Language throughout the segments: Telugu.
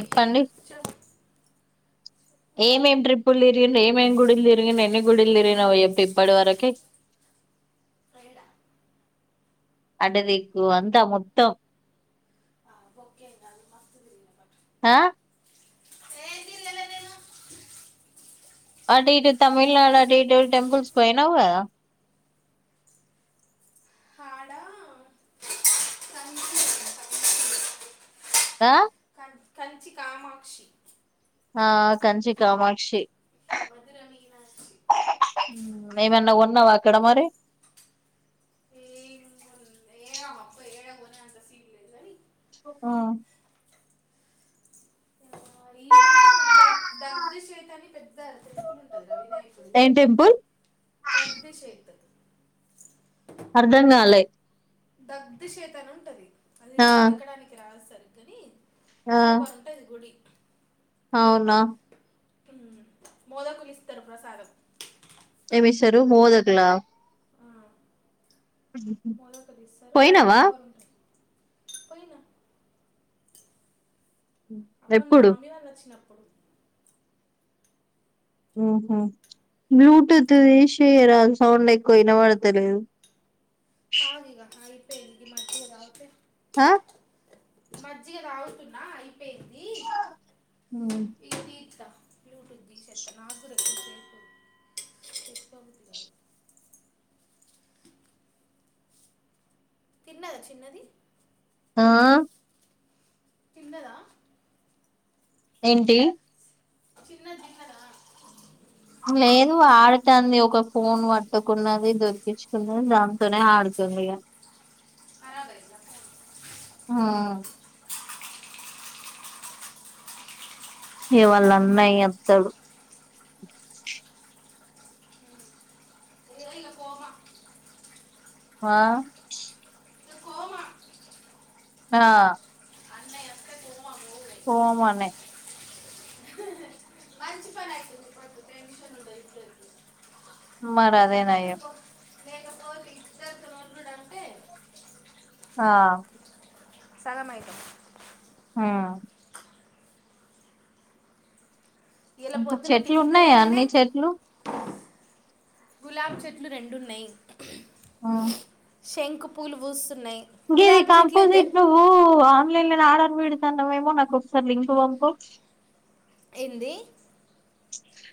ఏప్పండి ఏమేం ట్రిప్పులు తిరిగిన ఏమేం గుడిలు తిరిగినొ, ఎన్ని గుడిలు తిరిగినవొ, ఇప్పటి వరకే అటుదిక్కు అంతా మొత్తం మ్ ఒకే అన్న మస్త్ తీరిగినక హా అటీటు తమిళనాడు అటీటు టెంపుల్స్ పోయనవుకద. ఆడ కంచి దా కం- కంచి కామాక్షి ఆ కంచి కామాక్షి మధుర మీనాక్షి ఉమ్ ఏమన్నా కొన్నావా అక్కడ మరి? ఏ- ఏ అప్ప ఏడ కొనే అంత సీన్ లేదు కానీ ఆ ఈడ డగ్ డగ్ధ చేతని పెద్ద టెంపులుంటది కదానే ఏం టెంపుల్? దగ్ధశ్వేత అర్ధం కాలే డగ్ధ చేతనుంటది అది ఆ పలకడానికి రాదు సరిగ్గని ఆ సూపర్ ఉంటది గుడి. అవునా ఉమ్ మోదకులిస్తరు ప్రసాదం. ఏమిస్తరు మోదకులా మొలకలిస్తరు పోయినావా సూప్పర్ ఉంటది పోయిన ఆహ్ మొన్న ఎప్పుడు మమ్మీ వాళ్ళు వచ్చినప్పుడు. ఉమ్మ్. బ్లూటూత్ తీషేయరాదు సౌండ్ ఎక్కువ ఇనవాడ్తా లేదు. ఆగిగా అది ఇపై ఈ మజ్జిగ తాగితే. ఆహ్. మజ్జిగా దాగుతున్న ఐప్. ఉమ్. యూట్యూబ్ తీసేస్తున్న [unintelligible] తిన్నదా చిన్నది. ఆహ్. తిన్నదా. ఏంది. చిన్నది తిన్నదా. లేదు ఆడతంది ఒక ఫోన్ పట్టుకున్నది దొరికించుకున్నది దాంతోనే ఆడు. తుంది ఇగ. కరాబ్ అయిందా ఫోను. ఆహ్. ఇగా వల్ల అన్నయ్య అత్తడు. ఇగ ఫోమా. ఆహ్. ఇక కోమా ఆహ్. అన్నయ్య వస్తే కోమా పోలే పోమనే. మంచి పని అవుతుంది ఇప్పుడు టెన్షన్ ఉండదు ఇప్పుడు మరి అదే నయం. లేకపో లేకపోతే ఇద్దరు నోట్లు అంటే ఆహ్. సగం అయిపోయినయ్. ఆహ్. ఇలా ఇంకా పొద్దున చెట్లు టిఫిన్ ఉన్నాయా చేయగానే అన్ని చెట్లు. గులాబ్ చెట్లు రెండున్నాయ్. అవును. శంక్ పూల్ పూస్ గిది కాంపోజిట్ నువ్వు ఆహ్. ఆన్లైన్ నేను ఆర్డర్ పెడుతాన్నావేమో నాకు ఒకసారి లింకు వంపు. ఏంది.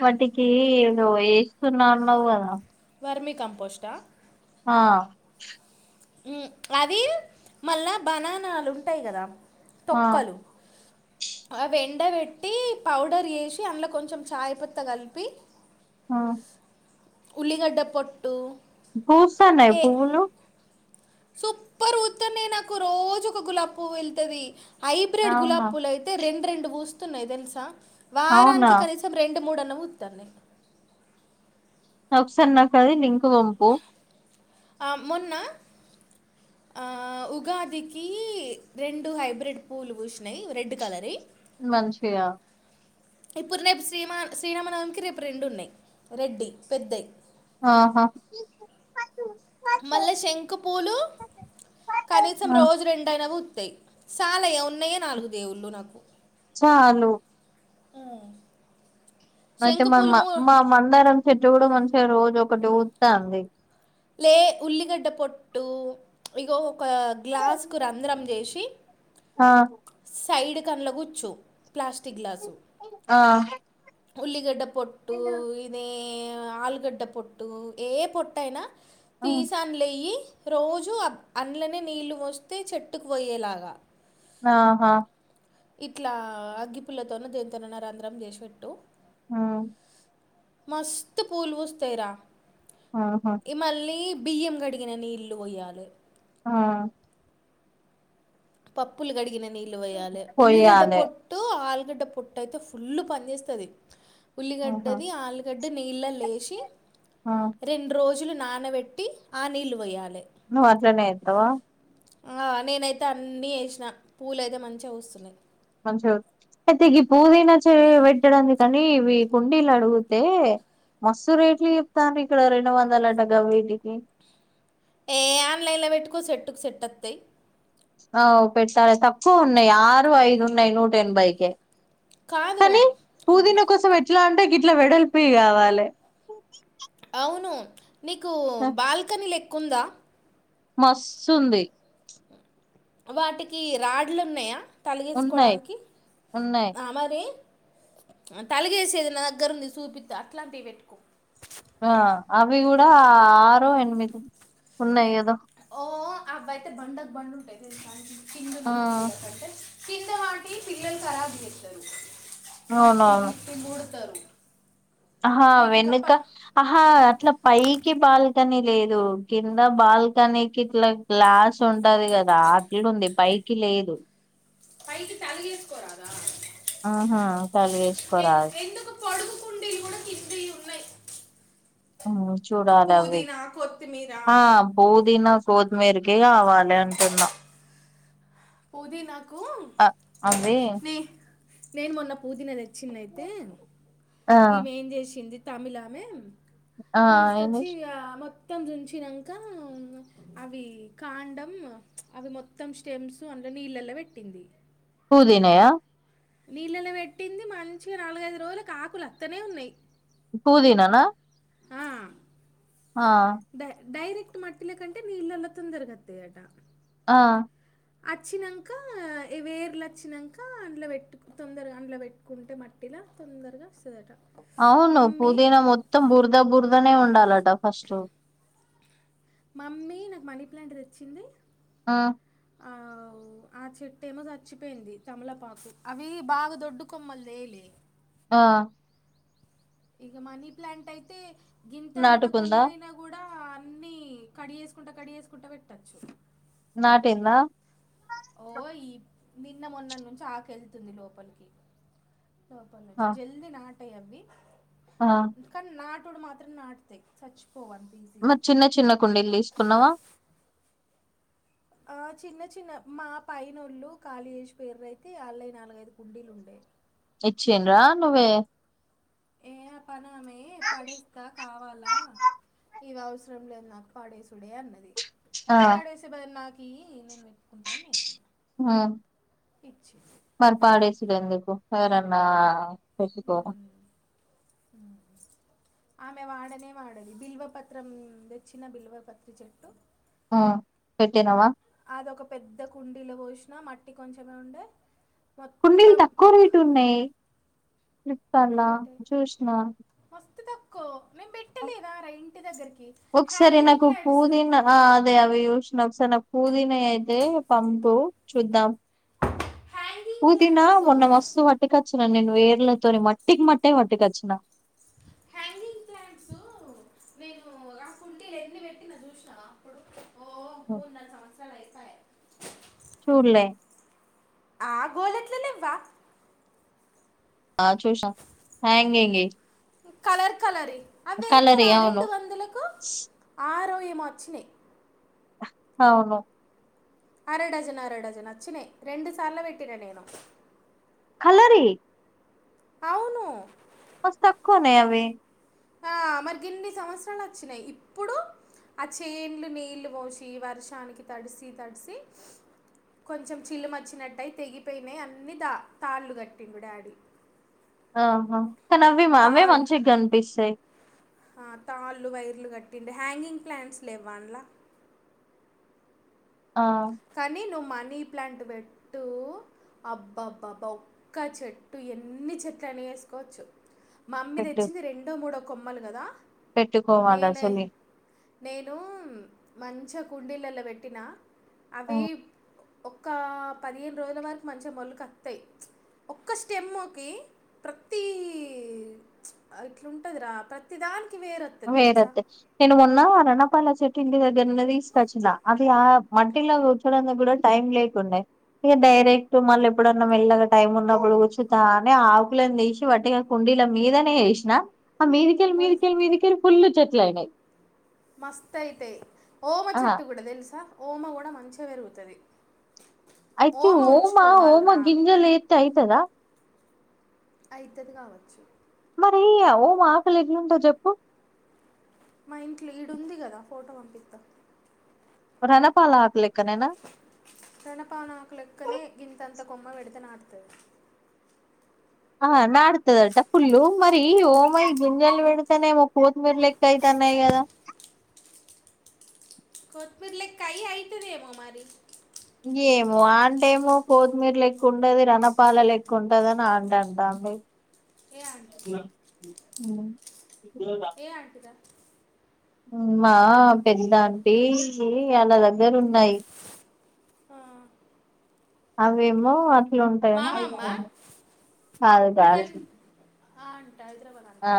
వాటికి ఏదో వేస్తున్నన్నావ్ గదా. వర్ని కంపోస్టా. ఆహ్. ఉమ్ అవి మళ్ళా బనానాలు ఉంటాయ్ గదా. ఆ తొక్కలు అవి ఎండ వేట్టి పౌడర్ జేసి అందులో కొంచెం చాయ్ పత్త కలిపి ఆ ఉల్లిగడ్డ పోట్టు పూస్తన్నాయ పువ్వులు సూప్పర్ పుతన్నాయి నాకు రోజు ఒక గులాబి పువ్వు వెళ్తది హైబ్రెడ్ అవునా గులాబ్ పూలు అయితే రెండు రెండు పూస్తున్నాయి తెలుసా అవునా వారానికి కనీసం రెండు. రెండు మూడన్నా పుత్తునై. ఒకసారి నాకు అది లింక్ పంపు. ఆహ్ మొన్న. ఆహ్ ఉగాదికి రెండు హైబ్రిడ్ పూలు పూసినాయి రెడ్ కలర్ వి. మంచిగ ఇప్పుడు రేప్ శ్రీమ శ్రీరామనవమికి రేపు రెండు ఉన్నాయ్ రెడ్డి పెద్దయ్ ఆహా మళ్ళ శంఖు పూలు కనీసం ఆ రోజు రెండన పు తయ్ సాలయ ఉన్నయే నాలుగు దేవుళ్ళు నాకు సాలు అయితే శంకు మా మ పూలు మూ మా మామందరం చెట్లు గుడ మంచిగ రోజు ఒకటి వుతాంది. లే ఉల్లిగడ్డ పొట్టూ ఇగో ఒక గ్లాస్కు రంధ్రం జెశ్ టి ఆ సైడ్ కన్ల కుచ్చు ప్లాస్టిక్ గ్లాసు ఆ ఉల్లిగడ్డ పొట్టూ ఇదీ ఆలుగడ్డ పొట్టూ ఏ పొట్టైన ఉమ్, తీస అన్లయి రోజూ అం అండ్లనే నీళ్లు వొస్తే చెట్టుకు వొయ్యేలాగ ఆహా ఇట్లా అగ్గిపుల్లతోనో దేన్తోనన్న రంధ్రం చేసి వెట్టు ఆ మస్త్ పూలు పూస్తయ్ రా ఆహా ఇ మళ్ళీ బియ్యం గడిగిన నీళ్ళు వొయ్యాలె ఆ పప్పులు గడిగిన నీళ్లు వొయాలె ఉల్లిగడ్డ పొయ్యాలే పొట్టు ఆ గడ్డ పొట్టైతే ఫుల్లు పని చేస్తది ఆహా ఉల్లిగడ్డది ఆల్గడ అంటే నీళ్ళల ఏశి ఆ రెండ్రోజులు నానవెట్టి ఆ నీల్లు వొయాలె. నువ్ అట్లనే ఏత్తవా? ఆ నేనైతే అన్నీ ఏశిన పూలయితే మంచిగ వుస్తునయ్. అయితే గి పూదిన చే వెట్టడానికని ఇవి కుండీల్ అడుగుతే మస్సు రేట్లు చెప్తాన్రు ఇక్కడ రెండు వందలంట గవీటికి ఏ ఆన్లైన్లో వెట్టుకో సెట్టుకు సెట్ ఒత్తయ్ ఆ పెట్టాలె తక్కువ ఉన్నయి ఆరు ఐదు ఉన్నయి నూట ఎనభైకె కాదు టె గిట్ల వెడల్పివి కావాలె ఔను నికు బాల్కని లెక్కుంద మస్తుంది. వాటికి రాడ్లున్నయ ఉన్నాయి తగిలిస్కోడానికి ఉన్నాయి ఆ మరి తలుగేసేది నా దగ్గరుంది సూపిత్త అట్లాంటివి వెట్టుకో ఆ అవి గుడ ఆరో ఎనిమిది ఉన్నయి గద ఓ అవ్వైతే బండక్ బండుంటయ్ తెల్సా ఆ కిందన్న కుండీల కంటే కింద వాటి పిల్లలు ఖరాబ్ జేత్తరు మట్టి అవునవును గిట్టి మూడ్ తా ఆహా వెనుక ఆహా అట్ల పైకి బాల్ తని లేదు కింద బాల్కనికిట్ల గ్లాస్ ఉంటది గదా అట్లుంది పై ఎకి లేదు పైకి తలగేసుకొరాద ఆహా ఎన్ కలిగేసుకోరాదు ఎందుకు పడుగుకుండీలు కూడ కింద ఉన్నయ్ ఆ చూడలవి కొత్తిమీర ఆ పూదినా, కోత్మీర్ కి కావాలె అంటున్న పుదిన అ అవే నేన్ మొన్న పూదిన తెచ్చింద్ అయితే ఆ ఈమె ఏం చేశింది. తమిలామె ఆ ఏంది తీసుకొచ్చి ఇగ ఆమె మొత్తం తుంచినంక అవి కాండం అవి మొత్తం స్టెమ్స్ అందు నీళ్ళల్ల పెట్టింది పూదినయా నీళ్ళలో పెట్టింది మంచిగా నాలుగైదు రోజులకు ఆకులు అత్తనే ఉన్నాయి పూదీననా ఆ, డై డైరెక్ట్ మట్టిల కంటే నీల్లల తొందరగా వత్తయట అ అచ్చినంక వేర్లు వచ్చినంక అందులో పెట్టుకు తొందరగా అందులో పెట్టుకుంటే మట్టి ఇలా తొందరగా వస్తదట అవును పుదీనా మొత్తం బుర్ద బుర్దానే ఉండాలట ఫస్టు మమ్మీ నాకు మనీ ప్లాంట్ తెచ్చింది ఆ ఆ, ఆ చెట్టు ఏమో చచ్చిపోయింది తమలపాకు అవి బాగా దొడ్డు కొమ్మలు లేలే ఆ ఇంగ మనీ ప్లాంట్ అయితే గింతంత నాటుకుందా కొమ్మ ఐనా కూడా ఆ అన్ని కడిగేసుకుంటా కడిగేసుకుంటా పెట్టచ్చు నాటిందా ఓ ఈ నిన్న మొన్న నుంచి ఆకెళ్తుంది లోపలికి లోపన్ వచ్చి ఆ జల్ది నాటయలి ఆ కాని నాట్ డు మాత్రం నాటుతై సచ్ మరి చిన్న చిన్న కుండీలు తీసుకున్నవా ఆ చిన్న చిన్న మా పైనోళ్ళు కాలిజేసిపోయిర్రు అయితే ఆళ్ళైయి నాలుగైదు కుండీలు ఉండే ఇచ్చిండ్రా నువ్వే పనామే పడేస్తా కావా ల ఇవి అవసరం లేదు నాకు పాడేసుడే అన్నది ఆ పడేసే బదులు నాకు ఇయ్యి నేను వెటుకుంటా అని నేను అన్న ఉ మరి పాడేేషిర్రు అని చెప్పు ఎవరన్నా పెట్టుకో ఉమ్ ఆమె వాడనే వాడది బిల్వ పత్రం తెచ్చిన బిల్వ పత్రి చెట్టు ఆ పెట్టినవా అది ఒక పెద్ద కుండీలో పోసినా మట్టి కొంచమే ఉండే కుండీలు మొత్తం తక్కువ ఒక రేటు ఉన్నయి ఇత్తాలా చూసిన అంత తక్కో మేం పెట్టలేదా రా ఇంటి దగ్గరికి ఒకసారి హ్యాంగింగ్ నాకు ప్లాంట్స్ పుదీనా ఆ అదే అవి చూసిన ఒకసారి నాకు పుదీనా అయితే పంపు హ్యాంగింగ్ పూదీనా ప్లాంట్స్ మొన్న మస్తు పట్టకచ్చిన నేను వేర్ల తోని మట్టికి మట్టే పట్కాచ్చిన హ్యాంగింగ్ ప్లాంట్స్ నేను మీరు రాకుంటే ఎన్ని పెట్టిన చూసినవ అప్పుడు ఓ మూడు నాలుగు సంవత్సరాలు అయిపోయాయి చూడ్లే ఆ గోదట్లే లేవ్వ ఆ చూసిన హంగింగ్యి కలర్ కలరివి అవి ఎంతరా రెండు అవును వందలకు ఆరొం ఎమో వచ్చినై అవును అర డజన్ అర డజన్ వచ్చినయి రెండు సార్లు పెట్టిన నేను కలరియి అవును మస్త్ తక్కువ ఉన్నయి అవి ఆ మరిగిన్ని సంవత్సరాలు వచ్చినాయి ఇప్పుడు ఆ చేన్లు నీళ్ళు పోషి వర్షానికి తడిసి తడిసి కొంచెం చిల్లు మచ్చినట్టయి తెగిపోయినాయి అన్ని దా తాళ్ళు గట్టిండు డాడి ఆహా కానీ అవి అవ్వే మంచిగా కనిపిస్తయ్ ఆ తాళ్ళు వైర్లు కట్టిండు హ్యాంగింగ్ ప్లాంట్స్లు లెవ్వాన్ల ఆ! కానీ నువ్వు మ మనీ ప్లాంట్ పెట్టు అబ్బబ్బా ఒక చెట్టు ఎన్ని చెట్లు అని వేసుకోవచ్చు మమ్మీ పెట్టు తెచ్చింది రెండో మూడో కొమ్మలు గదా పెట్టుకోవాలి నేనే అసలే. నేను మంచ కుండీలల్లా పెట్టినా ఆ! అవి ఒక్క పదిహేను రోజుల వరకు మంచిగా మొళకత్తయ్ ఒక్క స్టెమ్ కి ప్రతీ ఇట్లా ఉంటదిరా ప్రతి దాని వేరోత్తాయి నేను మొన్న రనపాలా చెట్ కింది దగ్గర నుండే తీసుకొచ్చినా అట్లా మట్టిలో కూర్చడంలో కూడా టైం లేకుండే ఇగ డైరెక్ట్ మళ్ళీ ఎప్పుడన్నా మెల్లగా టైమ్ ఉన్నప్పుడు కూర్చుతానే ఆకులను తీసి వట్టిగా కుండి ఇలా మీదనే ఎషినా మీదికెల్లి మీదికెల్లి మొలుస్తాయి మీది చెట్లయినయ్ మస్త్ అయితాయ్ ఓమ చెట్టు కూడా తెలుసా ఓమ కూడా మంచిగా పెరుగుతది అయితే ఓమా ఓమా గింజలేత్తే అయితదా అయితది గావచ్చు అయ్యా ఓమా ఆకులు ఏట్లుంటది చెప్పు మా ఇంట్ల ఈడుంది గదా ఫోటో పంపిత్త రనాపాలాకు లెక్ రణపానాకులెక్కనే గింత ఇంత కొమ్మ వేడుతే నాటుతది ఆ నాడుతదంటా ఫుల్లు మరి ఓమాయి గింజల్ వేడ్తెనేమో కోతిమీర లెక్క అయితాన్ న్నయ్ గదా కొత్మీర్ లెక్క అయి అయితదేమో మరి ఏమో అంటేమో కొత్మీర్ లెక్క ఉండది రణపాల లేక్క ఉంటది అని అంట్ టంటా ఏ ఆంటీ ఉమ్ ఏ అంటిదా మా పెద్ద ఆంటి ఆళ్ల దగ్గర ఉన్నాయ్ ఆ అవ్వేమో అట్ల ఉంటాయి మామమ్మ కరీ ఆ అంట హైదరాబాద్ అంట ఆ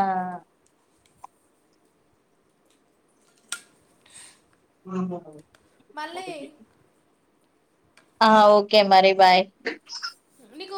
[unintelligible] మళ్లీ ఆ ఓకే మరి బాయ్ నీకు